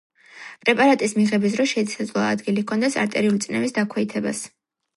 პრეპარატის მიღების დროს შესაძლოა ადგილი ჰქონდეს არტერიული წნევის დაქვეითებას.